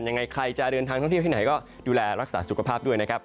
ยังไงใครจะเดินทางท่องเที่ยวที่ไหนก็ดูแลรักษาสุขภาพด้วยนะครับ